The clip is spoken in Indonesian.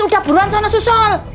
udah buruan sana susul